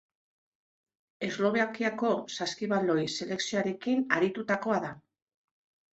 Eslovakiako saskibaloi selekzioarekin aritutakoa da.